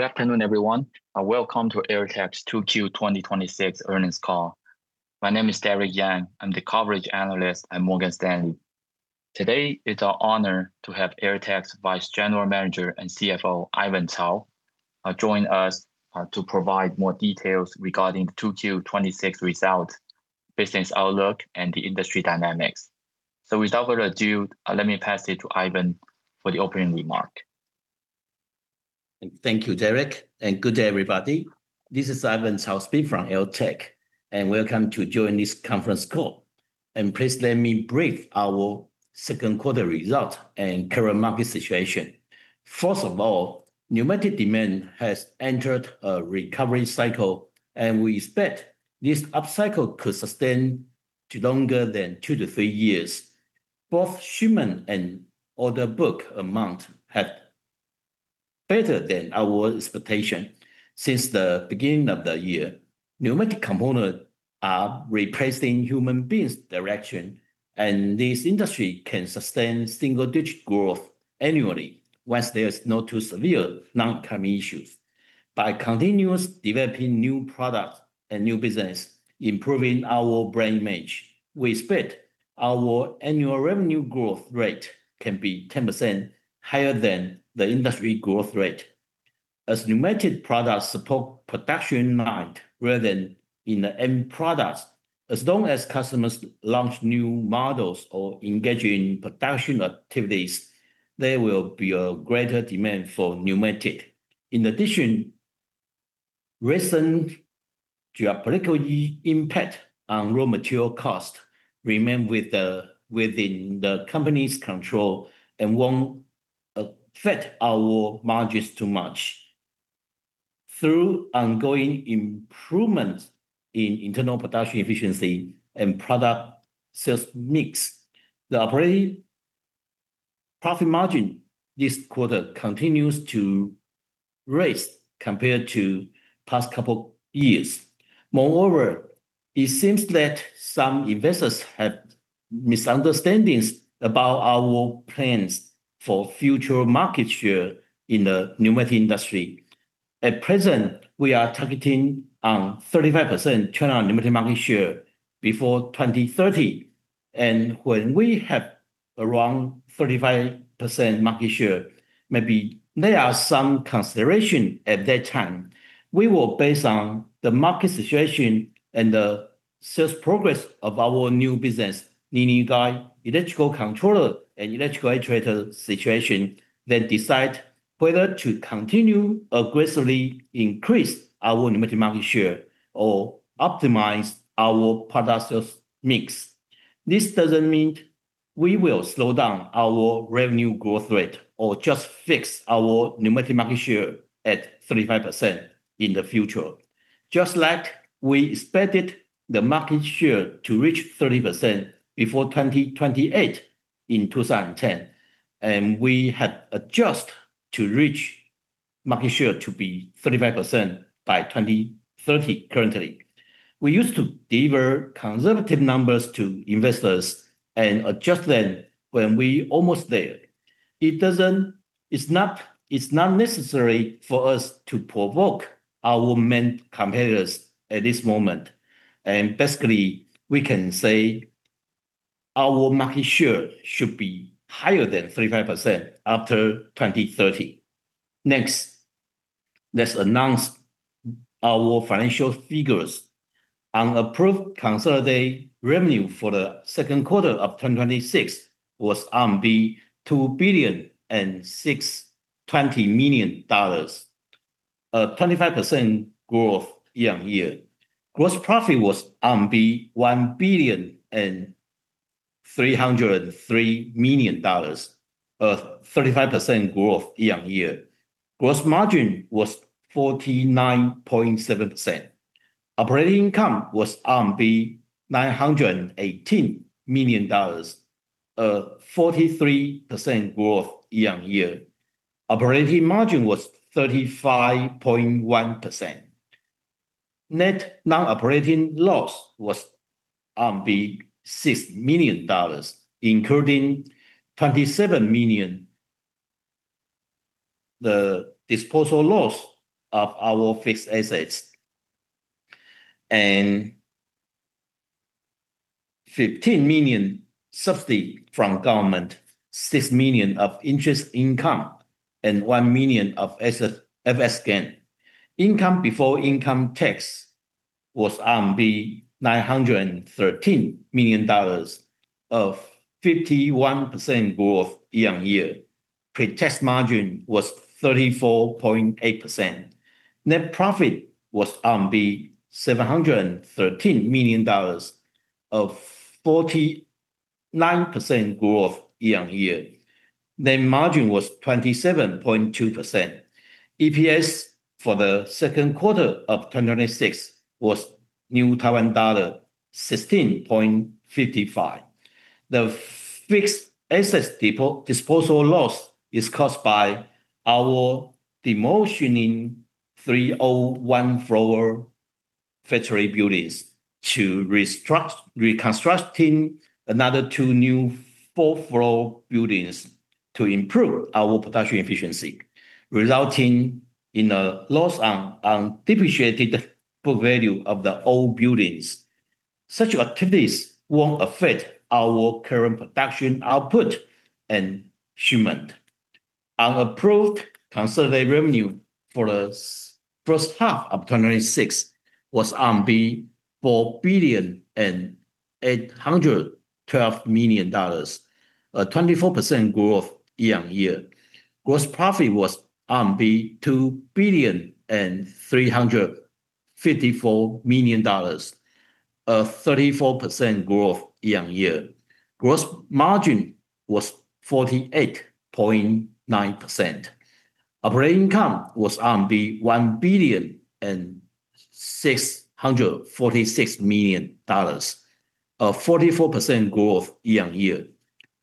Good afternoon, everyone, welcome to AirTAC's 2Q 2026 earnings call. My name is Derrick Yang. I'm the coverage analyst at Morgan Stanley. Today, it's our honor to have AirTAC's Vice General Manager and CFO, Ivan Tsao, join us to provide more details regarding 2Q 2026 results, business outlook, and the industry dynamics. Without further ado, let me pass it to Ivan for the opening remark. Thank you, Derrick. Good day, everybody. This is Ivan Tsao speaking from AirTAC, and welcome to join this conference call. Please let me brief our second quarter result and current market situation. First of all, pneumatic demand has entered a recovery cycle, and we expect this upcycle could sustain to longer than two to three years. Both shipment and order book amount have better than our expectation since the beginning of the year. Pneumatic components are replacing human intervention, and this industry can sustain single-digit growth annually once there's no too severe non-custom issues. By continuous developing new products and new business, improving our brand image. We expect our annual revenue growth rate can be 10% higher than the industry growth rate. As pneumatic products support production line rather than in the end products, as long as customers launch new models or engage in production activities, there will be a greater demand for pneumatic. In addition, recent geopolitical impact on raw material cost remain within the company's control and won't affect our margins too much. Through ongoing improvement in internal production efficiency and product sales mix, the operating profit margin this quarter continues to rise compared to past couple years. Moreover, it seems that some investors have misunderstandings about our plans for future market share in the pneumatic industry. At present, we are targeting on 35% China pneumatic market share before 2030. When we have around 35% market share, maybe there are some consideration at that time. We will base on the market situation and the sales progress of our new business, meaning the electrical controller and electrical actuator situation, then decide whether to continue aggressively increase our pneumatic market share or optimize our product sales mix. This doesn't mean we will slow down our revenue growth rate or just fix our pneumatic market share at 35% in the future. Just like we expected the market share to reach 30% before 2028 in 2010, and we had adjust to reach market share to be 35% by 2030 currently. We used to deliver conservative numbers to investors and adjust them when we almost there. It's not necessary for us to provoke our main competitors at this moment. Basically, we can say our market share should be higher than 35% after 2030. Next, let's announce our financial figures. Unapproved consolidated revenue for the second quarter of 2026 was 2.620 billion, a 25% growth year-over-year. Gross profit was 1.303 billion, a 35% growth year-over-year. Gross margin was 49.7%. Operating income was RMB 918 million, a 43% growth year-over-year. Operating Margin was 35.1%. Net non-operating loss was RMB 6 million, including 27 million, the disposal loss of our fixed assets, and 15 million subsidy from government, 6 million of interest income, and 1 million of FX gain. Income before income tax was RMB 913 million of 51% growth year-over-year. Pretax margin was 34.8%. Net profit was RMB 713 million of 49% growth year-over-year. Net margin was 27.2%. EPS for the second quarter of 2026 was Taiwan dollar 16.55. The fixed asset disposal loss is caused by our demolishing three old one-floor factory buildings to reconstruct another two new four-floor buildings to improve our production efficiency, resulting in a loss on undepreciated book value of the old buildings. Such activities won't affect our current production output and shipment. Our approved consolidated revenue for the first half of 2026 was 4.812 billion, a 24% growth year-over-year. Gross profit was 2.354 billion, a 34% growth year-over-year. Gross margin was 48.9%. Operating income was 1.646 billion, a 44% growth year-over-year.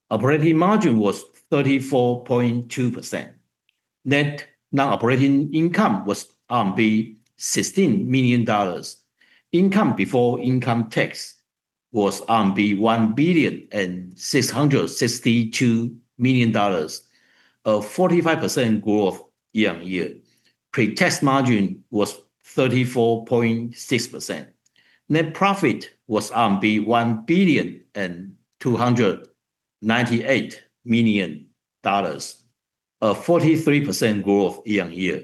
Operating Margin was 34.2%. Net non-operating income was RMB 16 million. Income before income tax was 1.662 billion, a 45% growth year-over-year. Pretax margin was 34.6%. Net profit was 1.298 billion, a 43% growth year-over-year.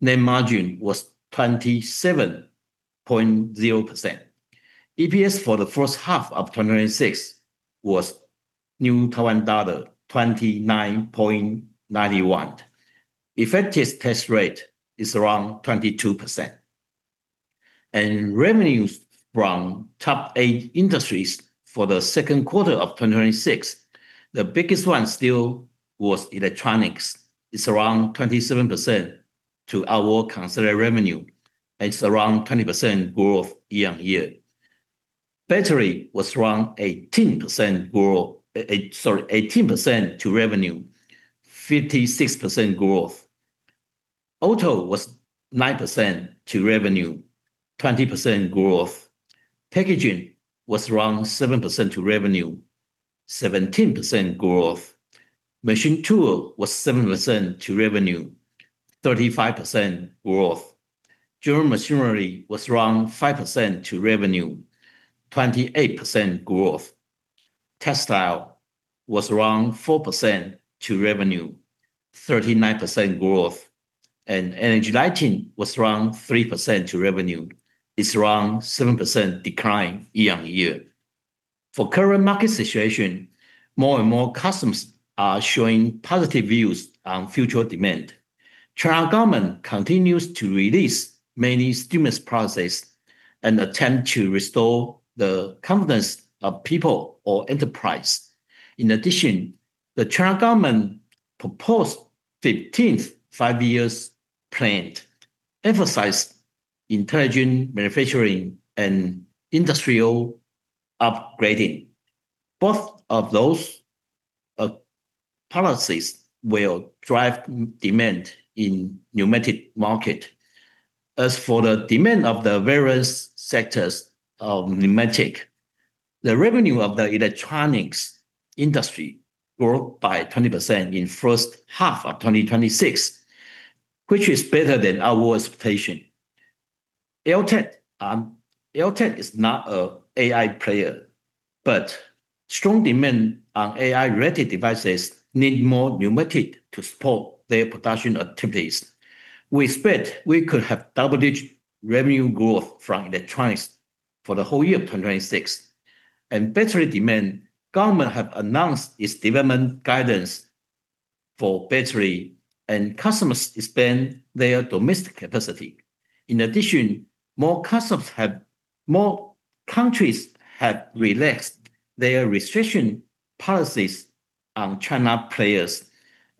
Net margin was 27.0%. EPS for the first half of 2026 was TWD 29.91. Effective tax rate is around 22%. Revenues from top eight industries for the second quarter of 2026, the biggest one still was electronics. It is around 27% to our consolidated revenue, and it is around 20% growth year-over-year. Battery was around 18% to revenue, 56% growth. Auto was 9% to revenue, 20% growth. Packaging was around 7% to revenue, 17% growth. Machine tool was 7% to revenue, 35% growth. General machinery was around 5% to revenue, 28% growth. Textile was around 4% to revenue, 39% growth. Energy and lighting was around 3% to revenue. It is around 7% decline year-over-year. For current market situation, more and more customers are showing positive views on future demand. China government continues to release many stimulus policies and attempt to restore the confidence of people or enterprise. In addition, the China government proposed 15th Five-Year Plan, emphasized intelligent manufacturing and industrial upgrading. Both of those policies will drive demand in pneumatic market. As for the demand of the various sectors of pneumatic, the revenue of the electronics industry grew by 20% in first half of 2026, which is better than our expectation. AirTAC is not a AI player, but strong demand on AI-related devices need more pneumatic to support their production activities. We expect we could have double-digit revenue growth from electronics for the whole year of 2026. Battery demand, government have announced its development guidance for battery, and customers expand their domestic capacity. In addition, more countries have relaxed their restriction policies on China players,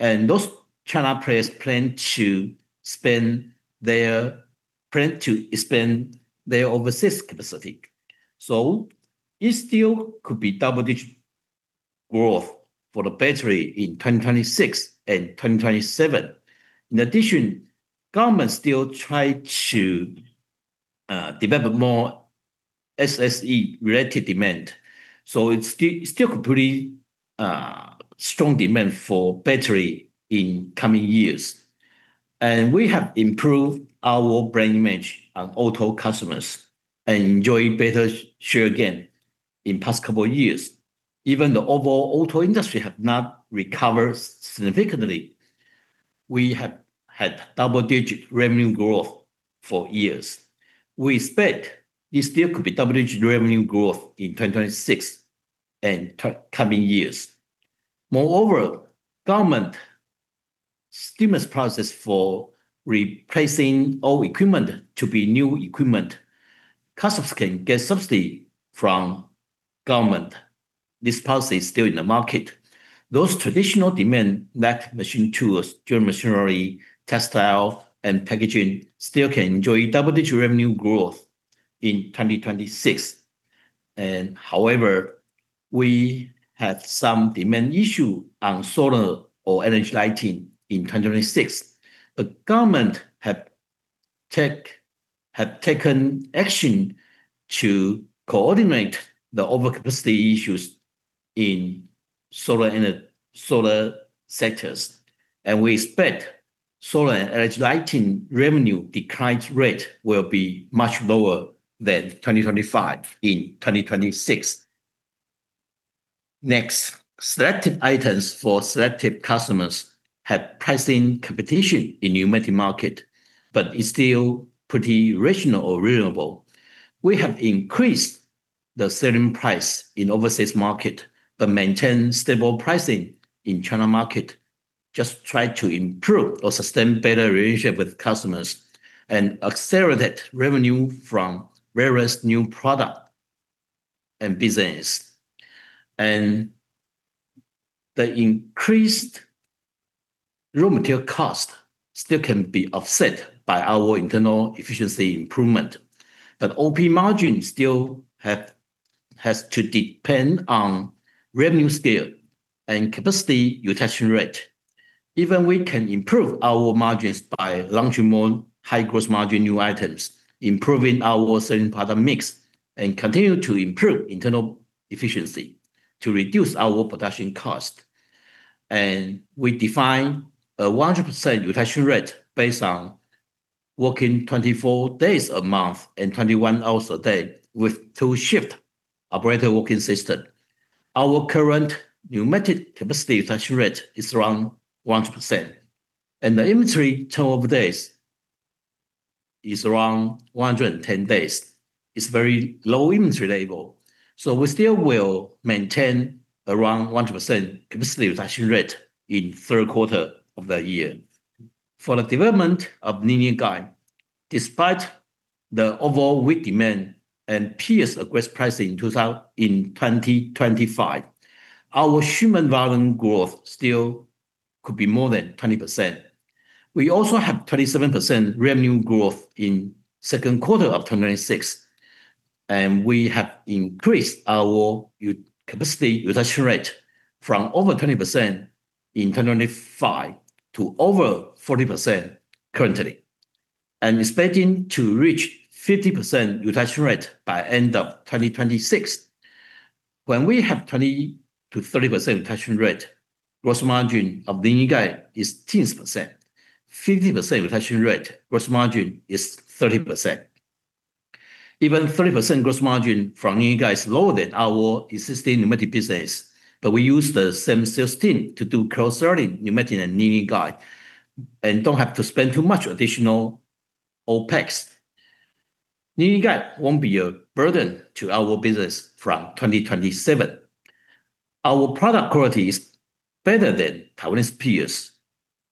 and those China players plan to expand their overseas capacity. It still could be double-digit growth for the battery in 2026 and 2027. In addition, government still try to develop more ESG-related demand, so it is still pretty strong demand for battery in coming years. We have improved our brand image on auto customers and enjoy better share gain in past couple years. Even the overall auto industry have not recovered significantly, we have had double-digit revenue growth for years. We expect it still could be double-digit revenue growth in 2026 and coming years. Moreover, government stimulus policies for replacing old equipment to be new equipment, customers can get subsidy from government. This policy is still in the market. Those traditional demand like machine tools, general machinery, textile, and packaging still can enjoy double-digit revenue growth in 2026. However, we had some demand issue on Solar or Energy Lighting in 2026. The government had taken action to coordinate the over capacity issues in solar sectors. We expect Solar Energy Lighting revenue decline rate will be much lower than 2025 in 2026. Next, selected items for selected customers have pricing competition in pneumatic market, but it is still pretty rational or reasonable. We have increased the selling price in overseas market, but maintain stable pricing in China market. Just try to improve or sustain better relationship with customers, and accelerate revenue from various new product and business. The increased raw material cost still can be offset by our internal efficiency improvement. But OP margin still has to depend on revenue scale and capacity utilization rate. Even we can improve our margins by launching more high gross margin new items, improving our selling product mix, and continue to improve internal efficiency to reduce our production cost. We define a 100% utilization rate based on working 24 days a month and 21 hours a day with two shift operator working system. Our current pneumatic capacity utilization rate is around 100%, and the inventory turn over days is around 110 days. It is very low inventory level. So we still will maintain around 100% capacity utilization rate in third quarter of the year. For the development of linear guide, despite the overall weak demand and peers aggressive pricing in 2025, our shipment volume growth still could be more than 20%. We also have 27% revenue growth in second quarter of 2026. We have increased our capacity utilization rate from over 20% in 2025 to over 40% currently, and expecting to reach 50% utilization rate by end of 2026. When we have 20%-30% utilization rate, gross margin of the linear guide is 10%. 50% utilization rate gross margin is 30%. Even 30% gross margin from linear guide is lower than our existing pneumatic business, but we use the same sales team to do cross-selling pneumatic and linear guide. Do not have to spend too much additional OpEx. Linear guide won't be a burden to our business from 2027. Our product quality is better than Taiwanese peers,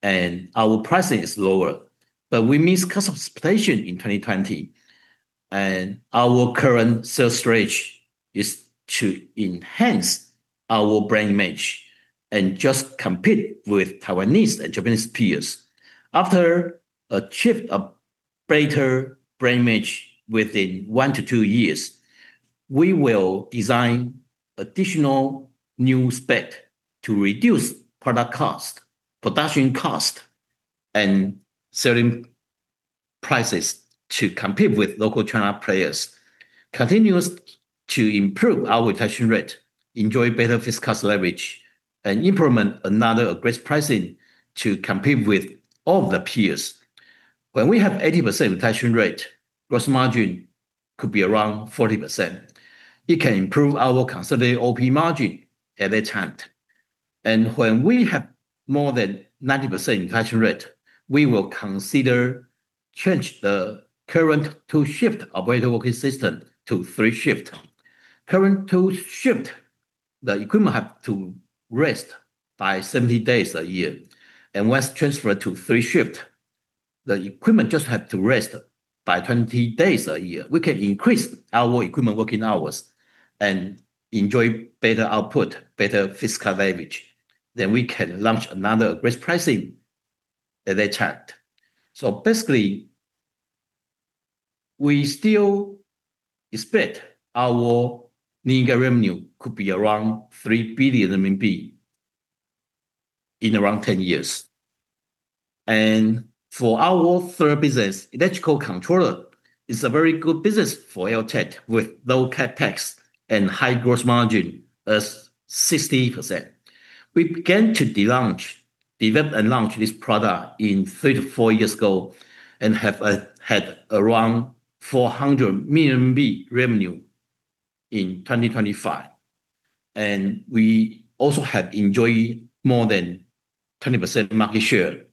and our pricing is lower. But we missed customer expectation in 2020. Our current sales strategy is to enhance our brand image. Just compete with Taiwanese and Japanese peers. After achieve a better brand image within one to two years, we will design additional new spec to reduce product cost, production cost, and selling prices to compete with local China players. Continuously to improve our utilization rate, enjoy better fixed cost leverage, and implement another aggressive pricing to compete with all of the peers. When we have 80% utilization rate, gross margin could be around 40%. It can improve our considered OP margin at that time. When we have more than 90% utilization rate, we will consider change the current 2-shift operator working system to 3-shift. Current 2-shift, the equipment have to rest by 70 days a year. Once transferred to 3-shift, the equipment just have to rest by 20 days a year. We can increase our equipment working hours and enjoy better output, better fixed cost leverage. We can launch another aggressive pricing at that time. Basically, we still expect our linear guide revenue could be around 3 billion RMB in around 10 years. For our third business, electrical controller is a very good business for AirTAC, with low CapEx and high gross margin as 60%. We began to develop and launch this product in three to four years ago and have had around 400 million revenue in 2025. We also have enjoyed more than 20% market share.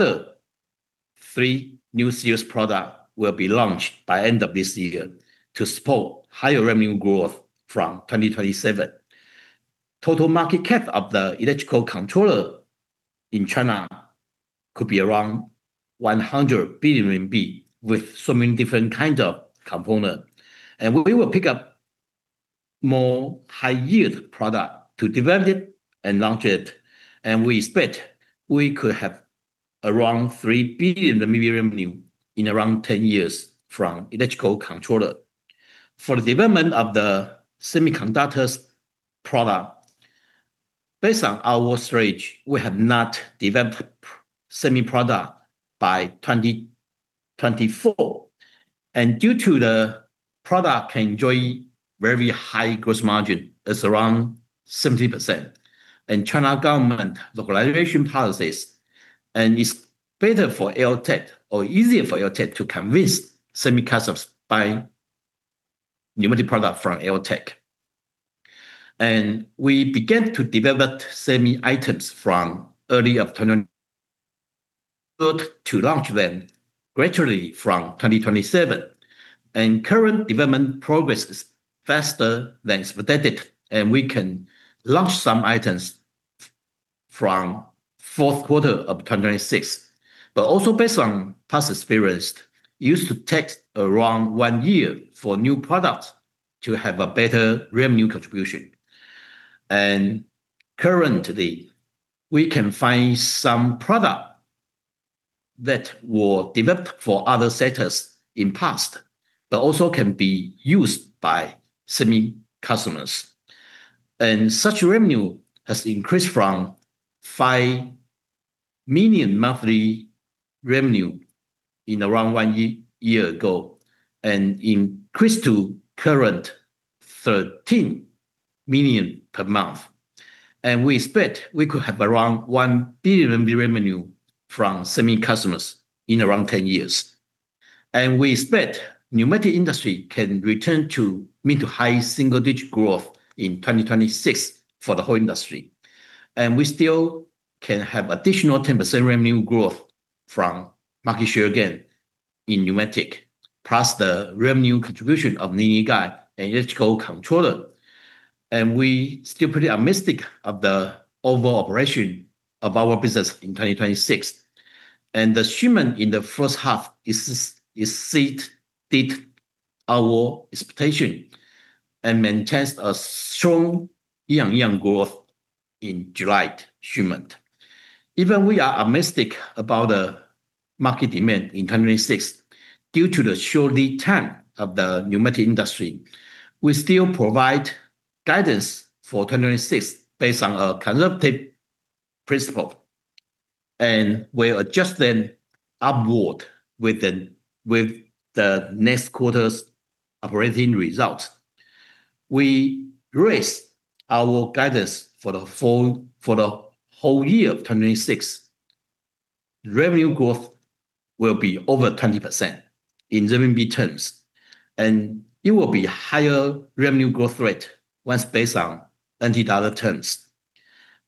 Another three new series product will be launched by end of this year to support higher revenue growth from 2027. Total market cap of the electrical controller in China could be around 100 billion RMB with so many different kinds of component. We will pick up more high-yield product to develop it and launch it. We expect we could have around 3 billion revenue in around 10 years from electrical controller. For the development of the semiconductor product, based on our strategy, we have not developed semi product by 2024. Due to the product can enjoy very high gross margin, is around 70%, and China government localization policies, it's better for AirTAC or easier for AirTAC to convince semi customers buy pneumatic product from AirTAC. We began to develop semi items from early of 2025 to launch them gradually from 2027. Current development progress is faster than expected, and we can launch some items from fourth quarter of 2026. Also based on past experience, it used to take around one year for new products to have a better revenue contribution. Currently, we can find some product that were developed for other sectors in past, but also can be used by semi customers. Such revenue has increased from 5 million monthly revenue in around one year ago, and increased to current 13 million per month. We expect we could have around 1 billion revenue from semi customers in around 10 years. We expect pneumatic industry can return to mid- to high-single-digit growth in 2026 for the whole industry. We still can have additional 10% revenue growth from market share gain in pneumatic, plus the revenue contribution of linear guide and electrical controller. We're still pretty optimistic of the overall operation of our business in 2026. The shipment in the first half exceeded our expectation and maintains a strong year-on-year growth in July shipment. Even we are optimistic about the market demand in 2026, due to the short lead time of the pneumatic industry, we still provide guidance for 2026 based on a conservative principle, and we'll adjust them upward with the next quarter's operating results. We raised our guidance for the whole year of 2026. Revenue growth will be over 20% in RMB terms, it will be higher revenue growth rate once based on U.S. dollar terms.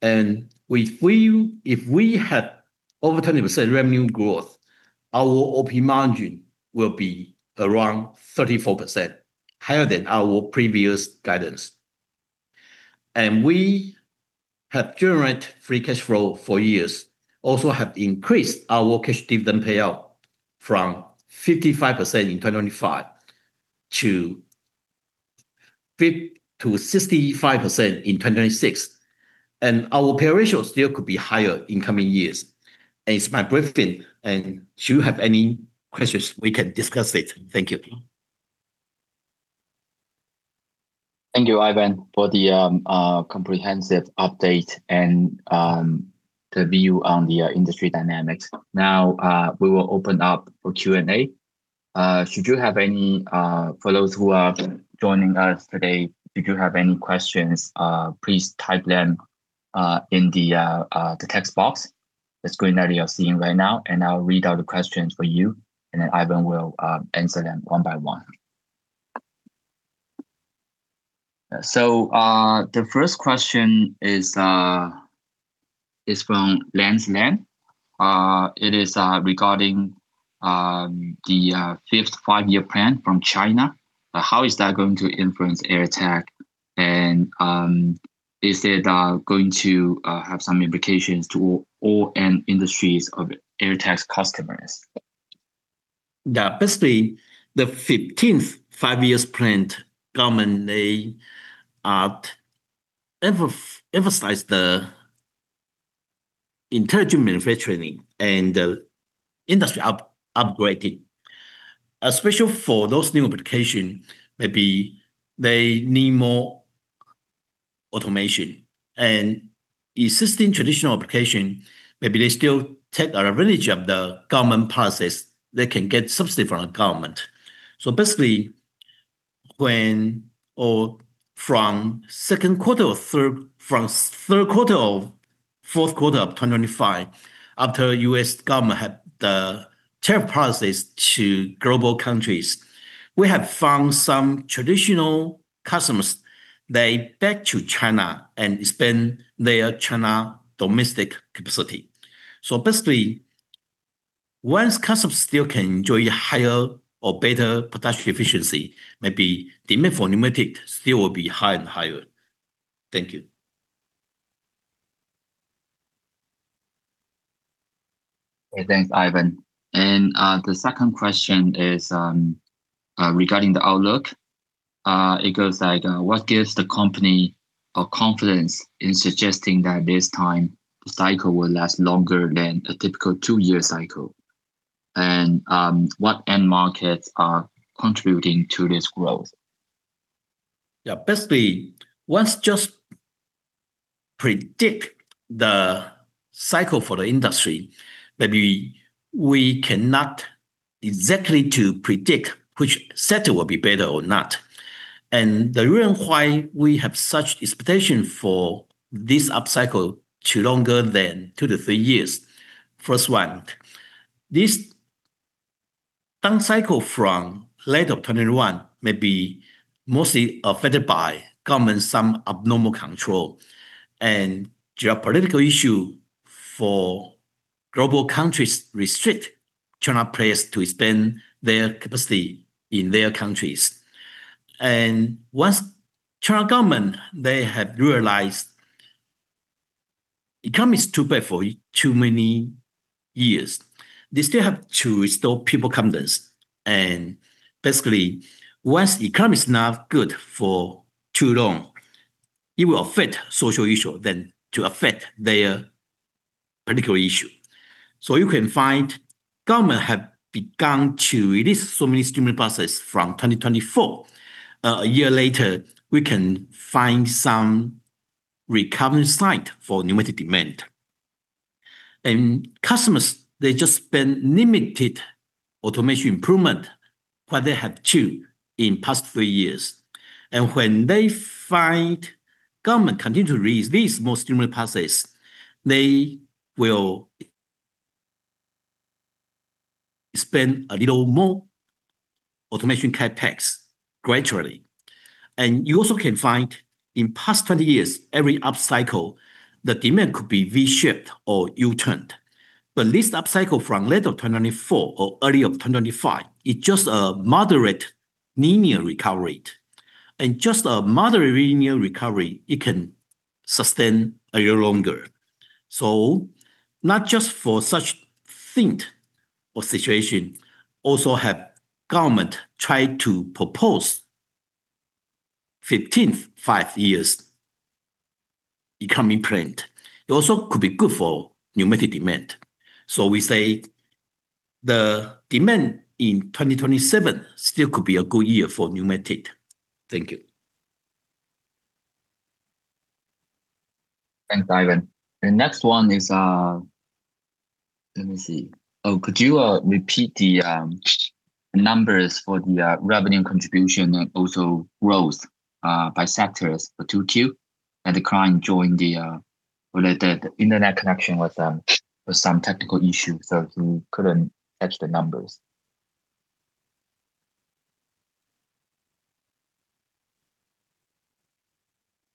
If we have over 20% revenue growth, our OP margin will be around 34%, higher than our previous guidance. We have generated free cash flow for years, also have increased our cash dividend payout from 55% in 2025 to 65% in 2026. Our pay ratio still could be higher in coming years. It is my briefing, should you have any questions, we can discuss it. Thank you. Thank you, Ivan, for the comprehensive update and the view on the industry dynamics. Now, we will open up for Q&A. For those who are joining us today, if you have any questions, please type them in the text box, the screen that you are seeing right now, I will read out the questions for you, then Ivan will answer them one by one. The first question is from Lance Lan. It is regarding the 15th Five-Year Plan from China. How is that going to influence AirTAC? Is it going to have some implications to all end industries of AirTAC's customers? Basically, the 15th Five-Year Plan, government they emphasize the intelligent manufacturing and the industry upgrading. Especially for those new application, maybe they need more automation. Existing traditional application, maybe they still take advantage of the government policies. They can get subsidy from the government. Basically, from third quarter or fourth quarter of 2025, after U.S. government had the tariff policies to global countries, we have found some traditional customers, they back to China and expand their China domestic capacity. Basically, once custom still can enjoy higher or better production efficiency, maybe demand for pneumatic still will be higher and higher. Thank you. Thanks, Ivan. The second question is regarding the outlook. It goes like, what gives the company confidence in suggesting that this time the cycle will last longer than a typical two-year cycle? What end markets are contributing to this growth? Yeah. Basically, once just predict the cycle for the industry, maybe we cannot exactly to predict which sector will be better or not. The reason why we have such expectation for this up cycle to longer than two to three years. First one, this down cycle from late of 2021 may be mostly affected by government, some abnormal control and geopolitical issue for global countries restrict China players to expand their capacity in their countries. Once China government, they have realized economy is too bad for too many years, they still have to restore people confidence. Basically, once economy is not good for too long, it will affect social issue than to affect their political issue. You can find government have begun to release so many stimulus policies from 2024. A year later, we can find some recovery site for pneumatic demand. Customers, they just spend limited automation improvement, what they have to in past three years. When they find government continue to release more automation CapEx gradually. You also can find in past 20 years, every up cycle, the demand could be V-shaped or U-turned. This up cycle from late of 2024 or early of 2025, it just a moderate linear recovery rate. Just a moderate linear recovery, it can sustain a year longer. Not just for such think or situation, also have government try to propose 15th Five-Year Plan. It also could be good for pneumatic demand. We say the demand in 2027 still could be a good year for pneumatic. Thank you. Thanks, Ivan. The next one is Let me see. Oh, could you repeat the numbers for the revenue contribution and also growth by sectors for 2Q? The client joined the related internet connection with some technical issue, so he couldn't catch the numbers.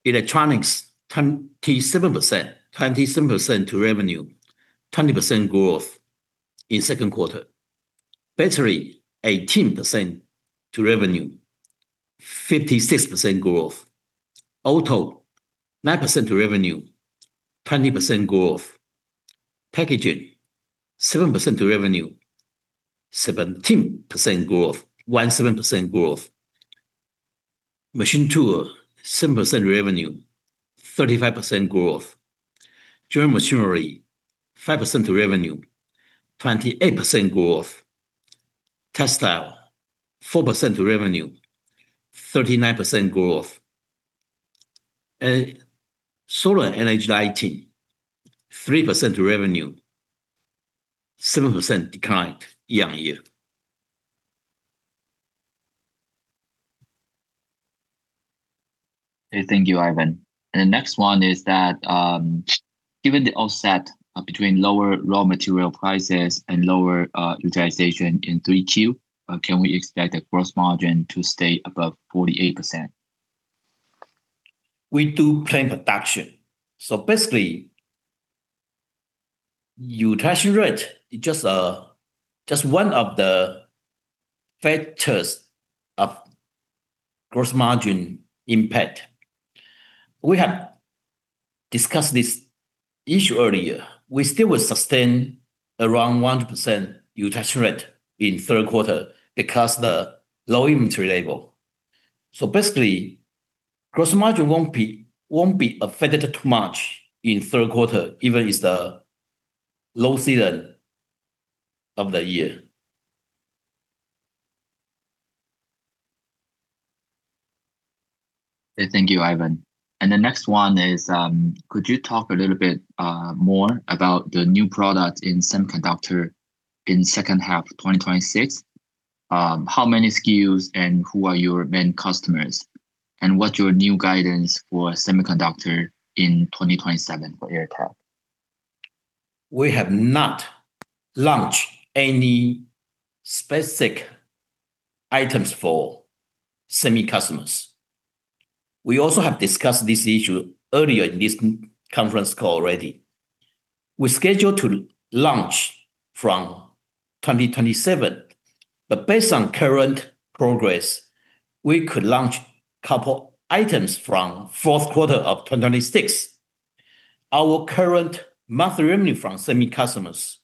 Electronics, 27% to revenue, 20% growth in second quarter. Battery, 18% to revenue, 56% growth. Auto, 9% to revenue, 20% growth. Packaging, 7% to revenue, 17% growth. Machine tool, 7% revenue, 35% growth. General machinery, 5% to revenue, 28% growth. Textile, 4% to revenue, 39% growth. Solar Energy, and lighting, 3% revenue, 7% decline year-over-year. Thank you, Ivan. The next one is that, given the offset between lower raw material prices and lower utilization in 3Q, can we expect the gross margin to stay above 48%? We do plan production. Basically, utilization rate is just one of the factors of gross margin impact. We have discussed this issue earlier. We still will sustain around 100% utilization rate in third quarter because the low inventory level. Basically, gross margin won't be affected too much in third quarter, even if it's the low season of the year. Thank you, Ivan. The next one is, could you talk a little bit more about the new product in semiconductor in second half 2026? How many SKUs and who are your main customers? What's your new guidance for semiconductor in 2027 for AirTAC? We have not launched any specific items for semiconductor customers. We also have discussed this issue earlier in this conference call already. We schedule to launch from 2027. Based on current progress, we could launch a couple items from fourth quarter of 2026. Our current monthly revenue from semiconductor customers,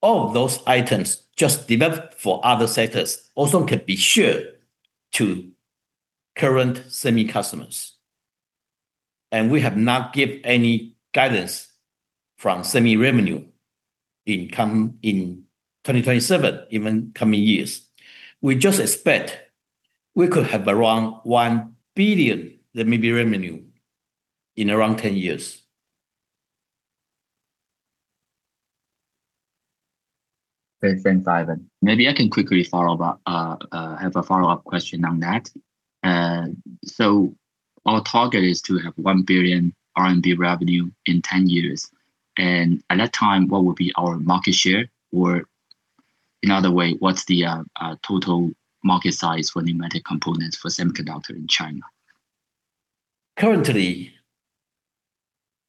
all of those items just developed for other sectors also could be sold to current semiconductor customers. We have not given any guidance from semiconductor revenue in 2027, even coming years. We just expect we could have around 1 billion revenue in around 10 years. Thanks, Ivan. Maybe I can quickly have a follow-up question on that. Our target is to have 1 billion RMB revenue in 10 years. At that time, what will be our market share? In other way, what's the total market size for pneumatic components for semiconductor in China? Currently,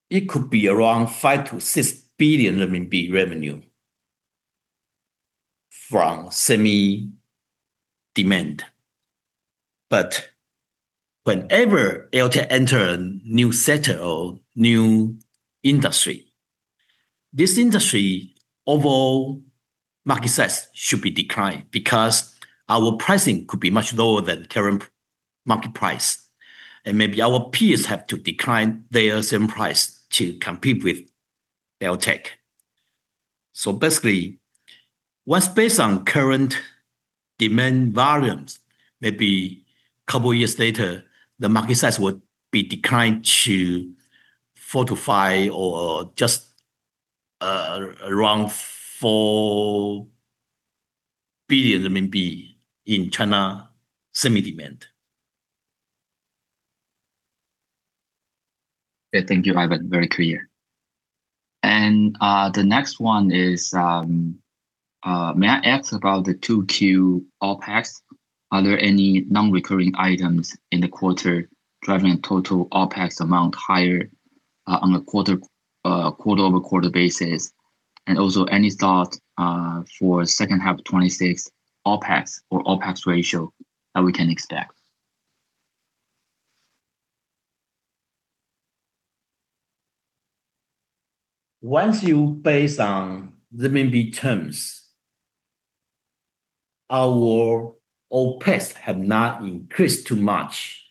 it could be around 5 billion-6 billion RMB revenue from semiconductor demand. Whenever AirTAC enter a new sector or new industry, this industry overall market size should be declined because our pricing could be much lower than current market price. Maybe our peers have to decline their selling price to compete with AirTAC. Basically, what's based on current demand volumes, maybe a couple of years later, the market size would be declined to 4 billion-5 billion or just around 4 billion RMB in China semiconductor demand. Thank you, Ivan. Very clear. The next one is, may I ask about the 2Q OpEx? Are there any non-recurring items in the quarter driving total OpEx amount higher on a quarter-over-quarter basis? Also any thought for second half 2026 OpEx or OpEx ratio that we can expect? Once you base on renminbi terms, our OpEx have not increased too much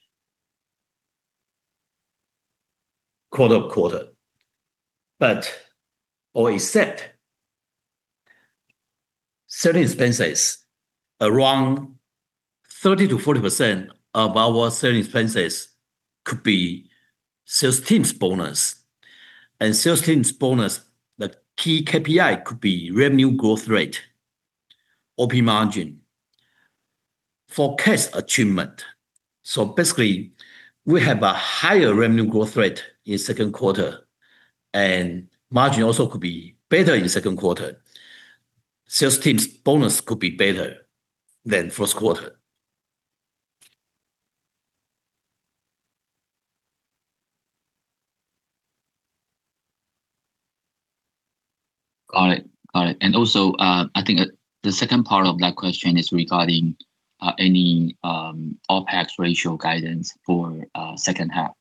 quarter-over-quarter. Except selling expenses. Around 30%-40% of our selling expenses could be sales teams bonus. Sales teams bonus, the key KPI could be revenue growth rate, operating margin, forecast achievement. Basically, we have a higher revenue growth rate in second quarter, and margin also could be better in the second quarter. Sales teams bonus could be better than first quarter. Got it. Also, I think the second part of that question is regarding any OpEx ratio guidance for second half.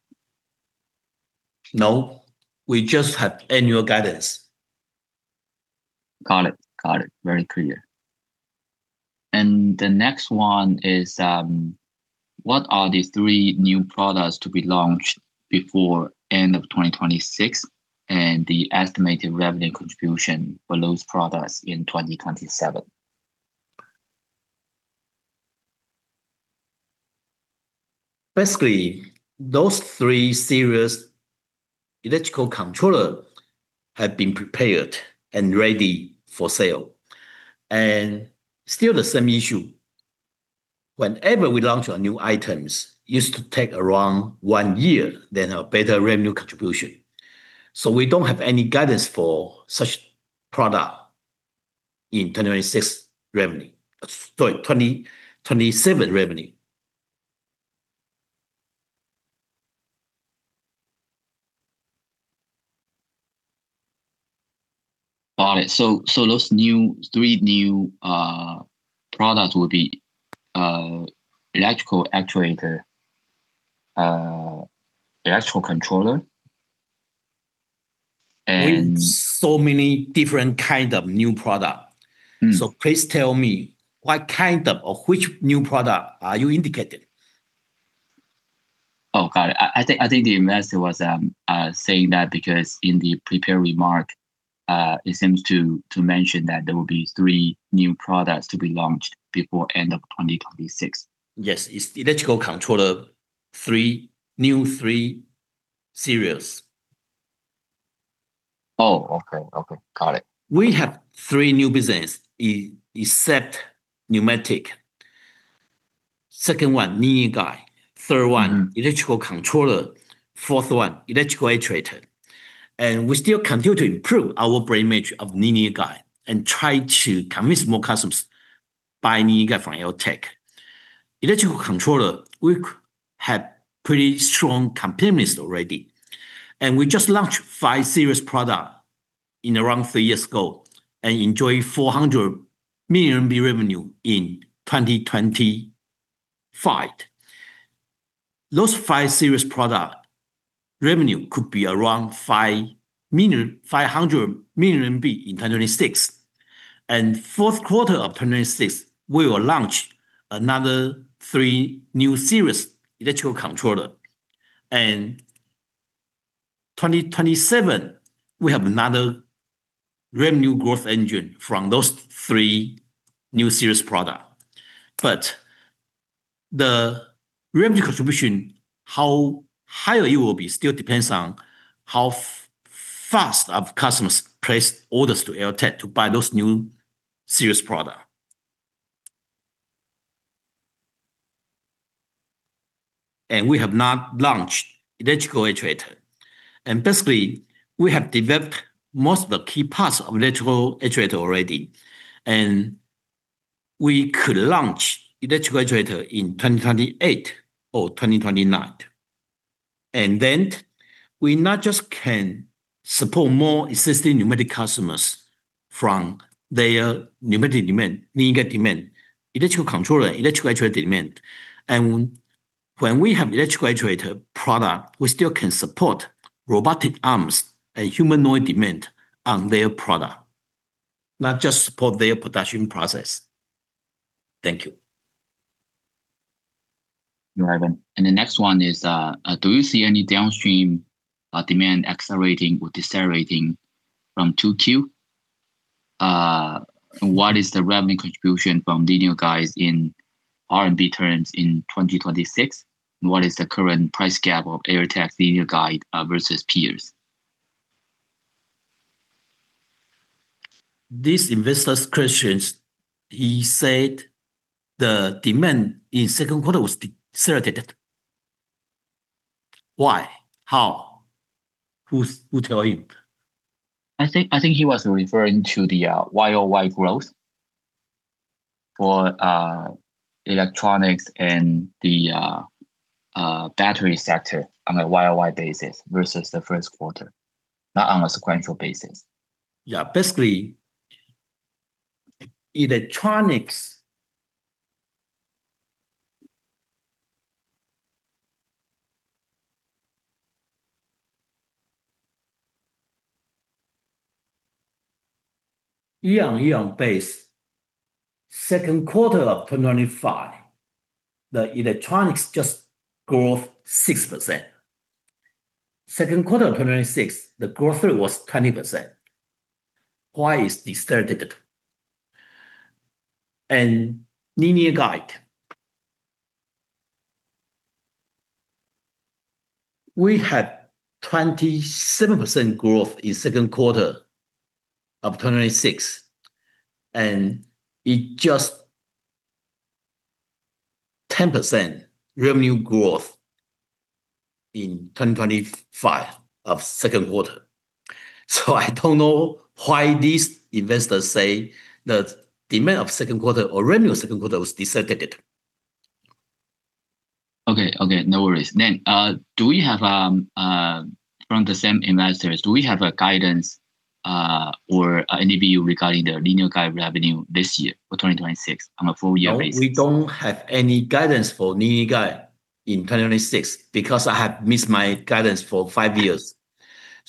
No, we just have annual guidance. Got it. Very clear. The next one is, what are the three new products to be launched before end of 2026 and the estimated revenue contribution for those products in 2027? Basically, those three series electrical controller have been prepared and ready for sale. Still the same issue. Whenever we launch our new items, it used to take around one year, then a better revenue contribution. We don't have any guidance for such product in 2027 revenue. Got it. Those three new products will be electric actuator, electrical controller, and. We have so many different kind of new product. Please tell me what kind of or which new product are you indicating? Got it. I think the investor was saying that because in the prepared remark, it seems to mention that there will be three new products to be launched before end of 2026. Yes. It is electrical controller, three new series. Oh, okay. Got it. We have three new business except pneumatic. Second one, linear guide. Third one- electrical controller. Fourth one, electric actuator. We still continue to improve our brand image of linear guide and try to convince more customers buy linear guide from AirTAC. Electrical controller, we have pretty strong competitiveness already, and we just launched five series product around three years ago and enjoy 400 million revenue in 2025. Those five series product revenue could be around 500 million in 2026. Fourth quarter of 2026, we will launch another three new series electrical controller. 2027, we have another revenue growth engine from those three new series product. The revenue contribution, how high it will be still depends on how fast our customers place orders to AirTAC to buy those new series product. We have not launched electric actuator. Basically, we have developed most of the key parts of electric actuator already, we could launch electric actuator in 2028 or 2029. We not just can support more existing pneumatic customers from their pneumatic demand, linear demand, electrical controller, electric actuator demand. When we have electric actuator product, we still can support robotic arms and humanoid demand on their product, not just support their production process. Thank you. No problem. The next one is, do you see any downstream demand accelerating or decelerating from 2Q? What is the revenue contribution from linear guides in RMB terms in 2026? What is the current price gap of AirTAC linear guide versus peers? This investor's questions, he said the demand in second quarter was decelerated. Why? How? Who tell him? I think he was referring to the YoY growth for electronics and the battery sector on a YoY basis versus the first quarter, not on a sequential basis. Yeah. Basically, electronics. Year-on-year base, second quarter of 2025, the electronics just growth 6%. Second quarter of 2026, the growth rate was 20%. Why is decelerated? Linear guide. We had 27% growth in second quarter of 2026, and it just 10% revenue growth in 2025 of second quarter. I don't know why these investors say that demand of second quarter or revenue second quarter was decelerated. Okay. No worries. From the same investors, do we have a guidance or any view regarding the linear guide revenue this year for 2026 on a full year basis? No. We don't have any guidance for linear guide in 2026 because I have missed my guidance for five years.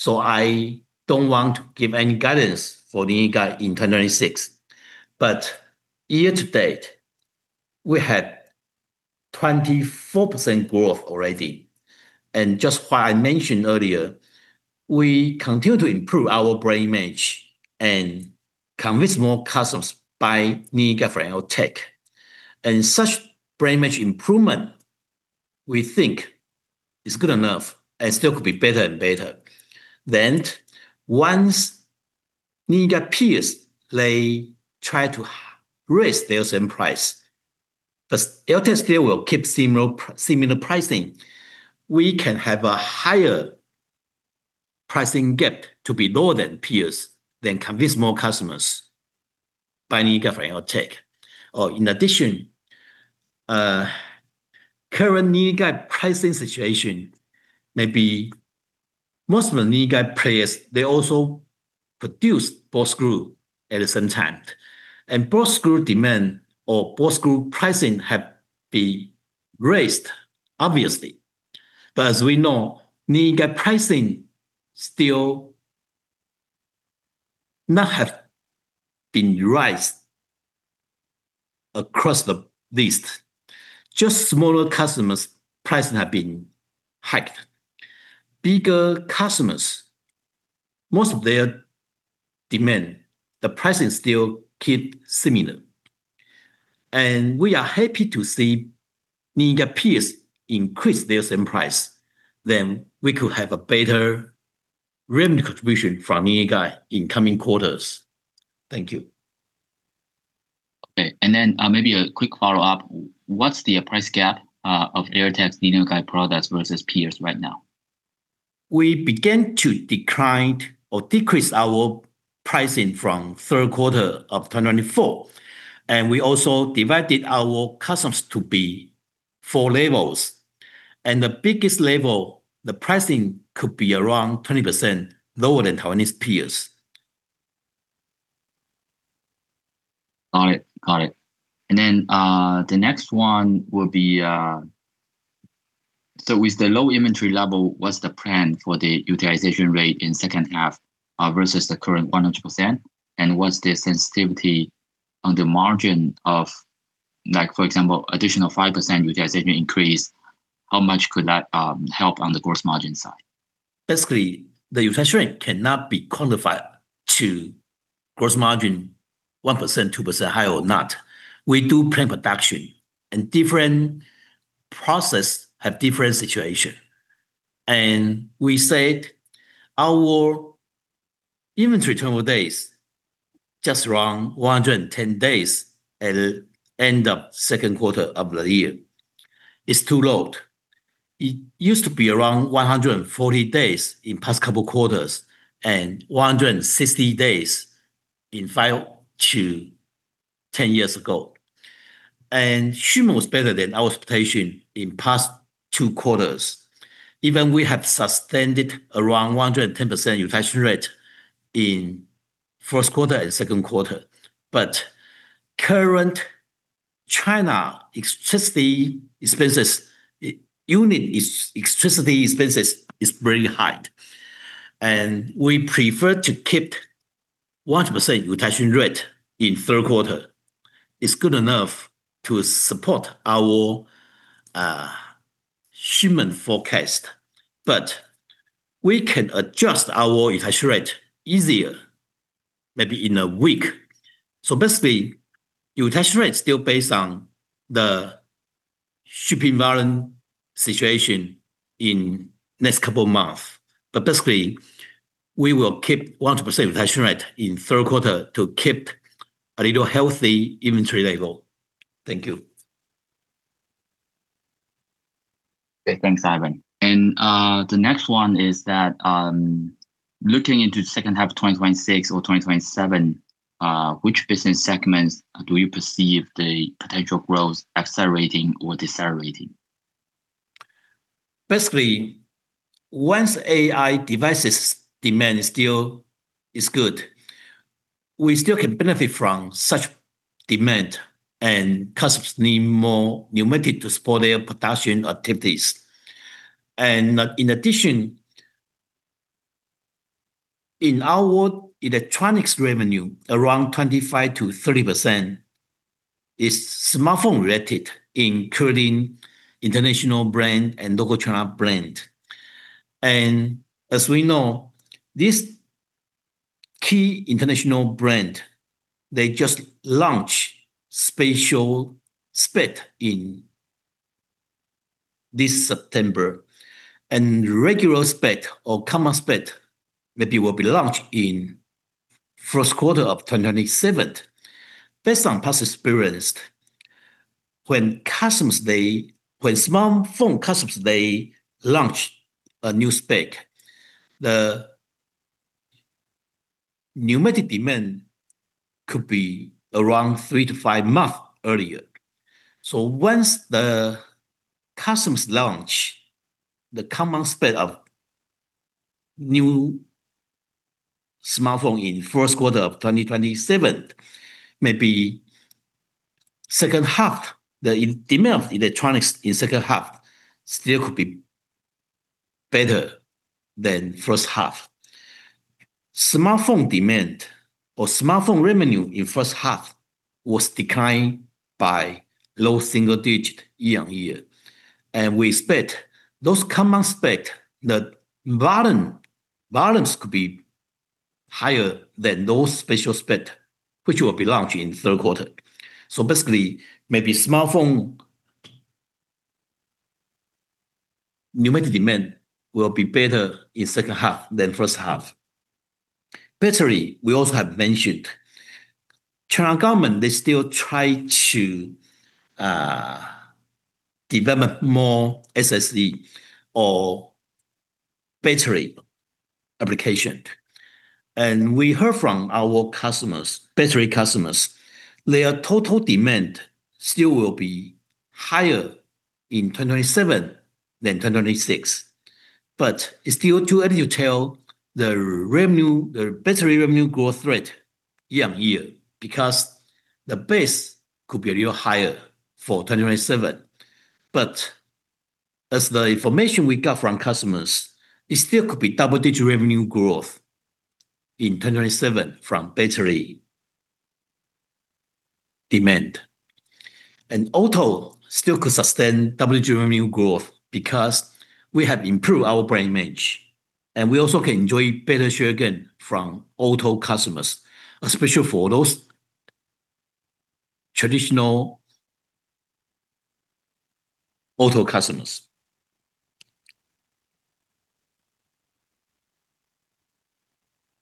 I don't want to give any guidance for linear guide in 2026. Year to date, we had 24% growth already. Just what I mentioned earlier, we continue to improve our brand image and convince more customers buy linear guide from AirTAC. Such brand image improvement, we think is good enough and still could be better and better. Once linear peers, they try to raise their selling price, but AirTAC still will keep similar pricing. We can have a higher pricing gap to be lower than peers, then convince more customers buy linear guide from AirTAC. In addition, current linear guide pricing situation, maybe most of the linear guide players, they also produce ball screw at the same time. Ball screw demand or ball screw pricing have been raised, obviously. As we know, linear pricing still not have been raised across the list. Just smaller customers' pricing have been hiked. Bigger customers, most of their demand, the pricing still keep similar. We are happy to see linear peers increase their selling price, then we could have a better revenue contribution from linear guide in coming quarters. Thank you. Okay. Maybe a quick follow-up. What's the price gap of AirTAC linear guide products versus peers right now? We began to decline or decrease our pricing from third quarter of 2024. We also divided our customers to be four levels. The biggest level, the pricing could be around 20% lower than Taiwanese peers. Got it. The next one will be, with the low inventory level, what's the plan for the utilization rate in second half versus the current 100%? What's the sensitivity on the margin of, for example, additional 5% utilization increase? How much could that help on the gross margin side? Basically, the utilization cannot be quantified to gross margin 1%-2% higher or not. We do plan production, different processes have different situation. We said our inventory turnover days, just around 110 days at end of second quarter of the year. It's too low. It used to be around 140 days in past couple quarters, 160 days in five to 10 years ago. Shipment was better than our expectation in past two quarters. Even we have sustained it around 110% utilization rate in first quarter and second quarter. Current China electricity expenses, unit electricity expenses, is very high. We prefer to keep 100% utilization rate in third quarter, is good enough to support our shipment forecast. We can adjust our utilization rate easier maybe in a week. Basically, utilization rate still based on the shipping volume situation in next couple of month. Basically, we will keep 100% utilization rate in third quarter to keep a little healthy inventory level. Thank you. Okay. Thanks, Ivan. The next one is that, looking into second half of 2026 or 2027, which business segments do you perceive the potential growth accelerating or decelerating? Basically, once AI devices demand still is good, we still can benefit from such demand, customers need more pneumatic to support their production activities. In addition, in our electronics revenue, around 25%-30% is smartphone related, including international brand and local China brand. As we know, this key international brand, they just launch special spec in this September. Regular spec or common spec maybe will be launched in first quarter of 2027. Based on past experience, when smartphone customers, they launch a new spec, the pneumatic demand could be around three to five month earlier. Once the customers launch the common spec of new smartphone in first quarter of 2027, maybe second half, the demand of electronics in second half still could be better than first half. Smartphone demand or smartphone revenue in first half was declined by low single-digit year-on-year. We expect those common spec, the volumes could be higher than those special spec, which will be launched in third quarter. Basically, maybe smartphone pneumatic demand will be better in second half than first half. Battery, we also have mentioned. China government, they still try to develop more ESG or battery application. We heard from our battery customers, their total demand still will be higher in 2027 than 2026. It's still too early to tell the battery revenue growth rate year-on-year, because the base could be a little higher for 2027. As the information we got from customers, it still could be double-digit revenue growth in 2027 from battery demand. Auto still could sustain double-digit revenue growth because we have improved our brand image, and we also can enjoy better share gain from auto customers, especially for those traditional auto customers.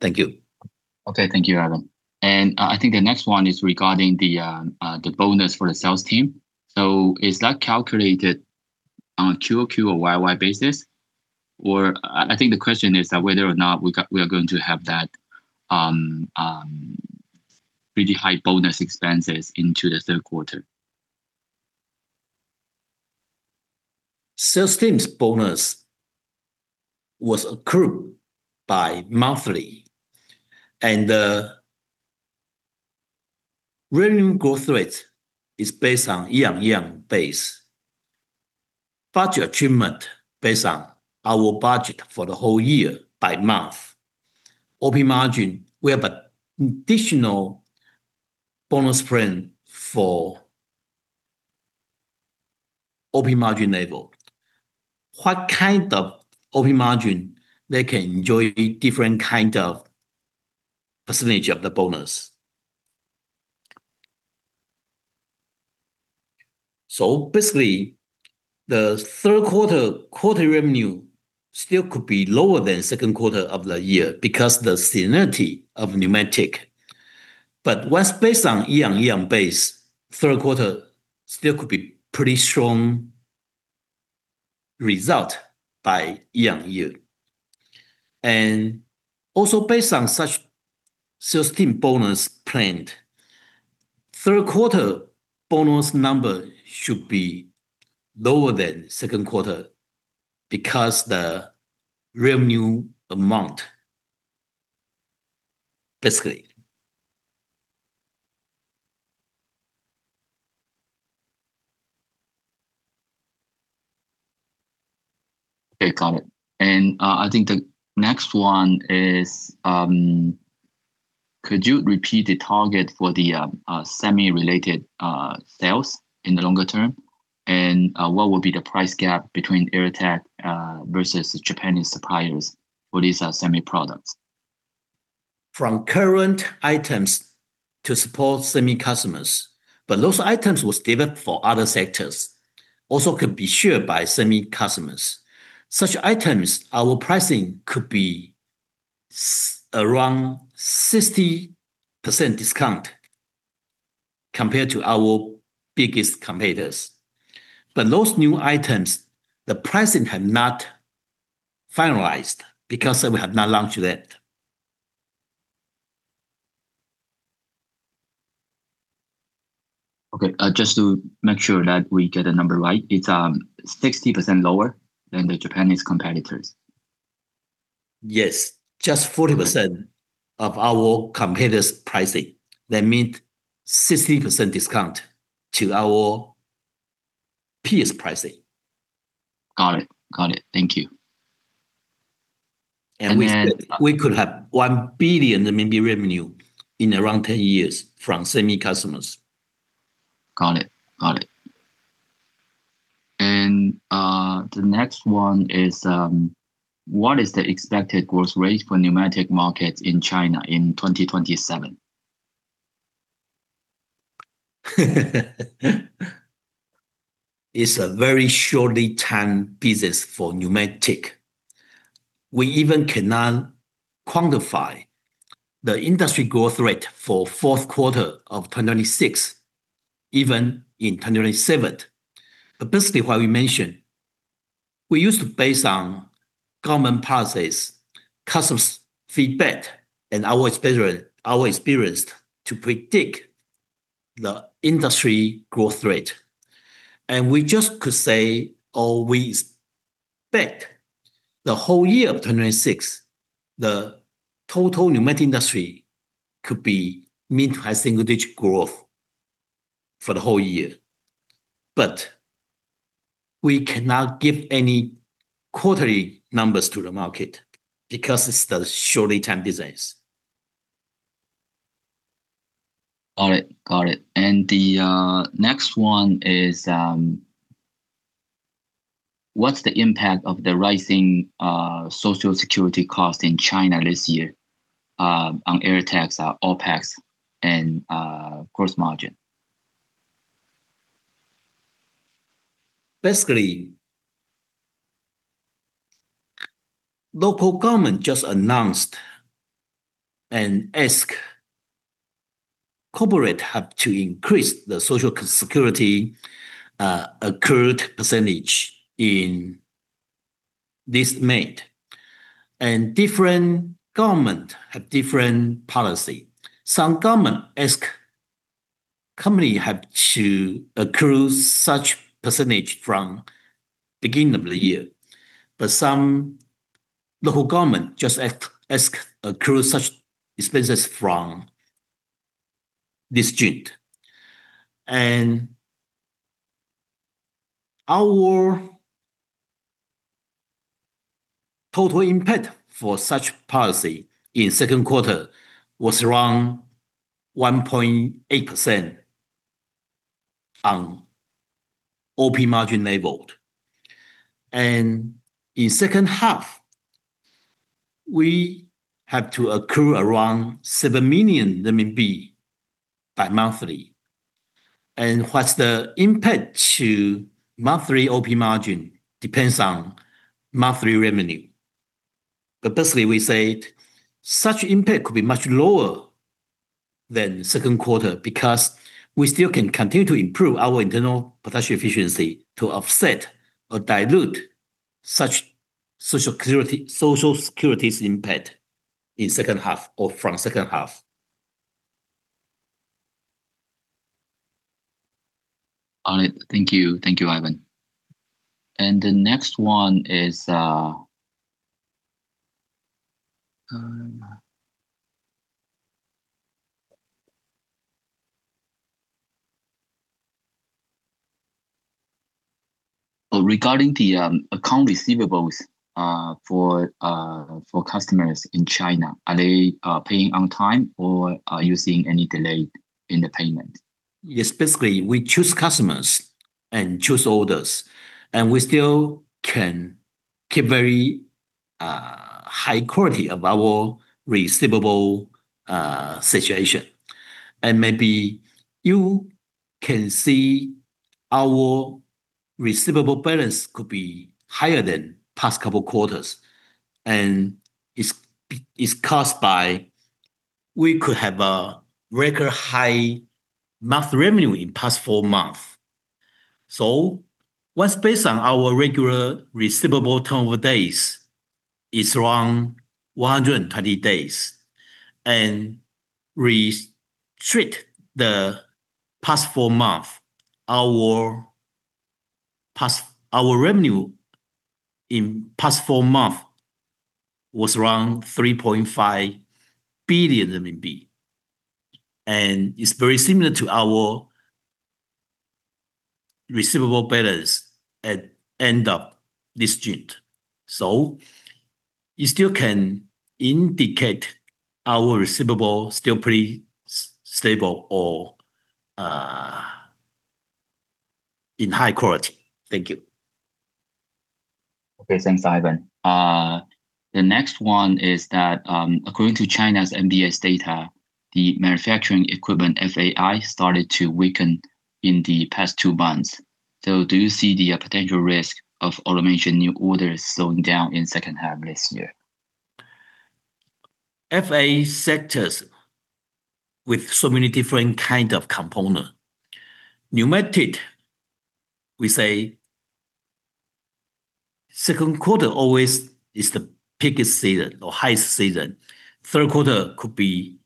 Thank you. Okay. Thank you, Ivan. I think the next one is regarding the bonus for the sales team. Is that calculated on a QoQ or YoY basis? I think the question is that whether or not we are going to have that pretty high bonus expenses into the third quarter. Sales team's bonus was accrued by monthly, the revenue growth rate is based on year-on-year base. Budget achievement based on our budget for the whole year by month. Operating margin, we have additional bonus plan for operating margin level. What kind of operating margin they can enjoy different kind of percentage of the bonus. Basically, the third quarter revenue still could be lower than second quarter of the year because the seasonality of pneumatic. Once based on year-on-year base, third quarter still could be pretty strong result by year-on-year. Also based on such sales team bonus planned, third quarter bonus number should be lower than second quarter because the revenue amount, basically. Okay, got it. I think the next one is, could you repeat the target for the semiconductor-related sales in the longer term? What will be the price gap between AirTAC versus the Japanese suppliers for these semiconductor products? From current items to support semiconductor customers, but those items was developed for other sectors, also could be shared by semiconductor customers. Such items, our pricing could be around 60% discount compared to our biggest competitors. Those new items, the pricing have not finalized because we have not launched yet. Okay, just to make sure that we get the number right, it's 60% lower than the Japanese competitors. Yes. Just 40% of our competitors' pricing. That means 60% discount to our peers' pricing. Got it. Thank you. We could have 1 billion revenue in around 10 years from semiconductor customers. Got it. The next one is, what is the expected growth rate for pneumatic market in China in 2027? It's a very short lead time business for pneumatic. We even cannot quantify the industry growth rate for fourth quarter of 2026, even in 2027. Basically what we mentioned, we used to base on government policies, customer's feedback, and our experience to predict the industry growth rate. We just could say, or we expect the whole year of 2026, the total pneumatic industry could be mid-to-high-single digit growth for the whole year. We cannot give any quarterly numbers to the market because it's the short lead time business. Got it. The next one is, what's the impact of the rising social security cost in China this year, on AirTAC's OpEx and gross margin? Basically, local government just announced and ask corporate have to increase the social security accrued percentage in this May. Different government have different policy. Some government ask company have to accrue such percentage from beginning of the year. Some local government just ask accrue such expenses from this June. Our total impact for such policy in second quarter was around 1.8% on Operating Margin level. In second half, we have to accrue around 7 million renminbi bi-monthly. What's the impact to month three operating margin depends on month three revenue. Basically, we say such impact could be much lower than second quarter because we still can continue to improve our internal potential efficiency to offset or dilute such Social Security's impact in second half or from second half. All right. Thank you. Thank you, Ivan. The next one is regarding the account receivables for customers in China. Are they paying on time, or are you seeing any delay in the payment? Yes, basically, we choose customers and choose orders, and we still can keep very high quality of our receivable situation. Maybe you can see our receivable balance could be higher than past couple quarters, and it's caused by we could have a record high month revenue in past four month. What's based on our regular receivable term of days is around 120 days and restrict the past four month. Our revenue in past four month was around 3.5 billion RMB, and it's very similar to our receivable balance at end of this June. You still can indicate our receivable still pretty stable or in high quality. Thank you. Okay. Thanks, Ivan. The next one is that, according to China's NBS data, the manufacturing equipment FAI started to weaken in the past two months. Do you see the potential risk of automation new orders slowing down in second half this year? FA sectors with so many different kind of component. Pneumatic, we say second quarter always is the biggest season or highest season. Third quarter could be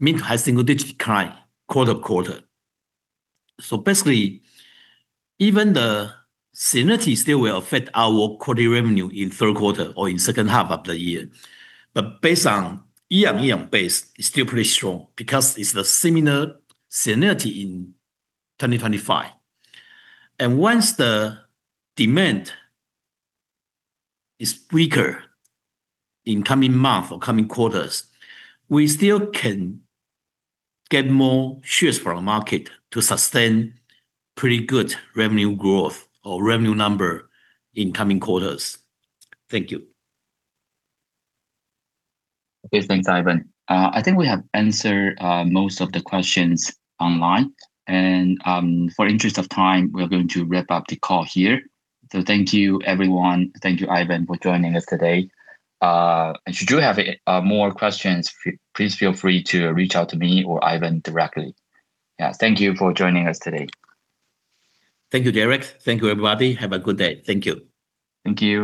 mid- to high-single digit decline quarter-to-quarter. Basically, even the seasonality still will affect our quarter revenue in third quarter or in second half of the year. But based on year-on-year base, it is still pretty strong because it is the similar seasonality in 2025. Once the demand is weaker in coming month or coming quarters, we still can get more shares from the market to sustain pretty good revenue growth or revenue number in coming quarters. Thank you. Okay. Thanks, Ivan. I think we have answered most of the questions online. For interest of time, we are going to wrap up the call here. Thank you, everyone. Thank you, Ivan, for joining us today. Should you have more questions, please feel free to reach out to me or Ivan directly. Yeah, thank you for joining us today. Thank you, Derrick. Thank you, everybody. Have a good day. Thank you. Thank you